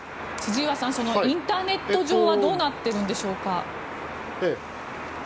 インターネット上はどうなっているのでしょうか。